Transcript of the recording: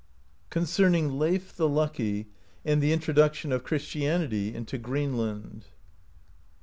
CONCERNING I.EII^ THE I.UCKY AND THE INTRODUCTION OF CHRISTIANITY INTO GREENI.AND.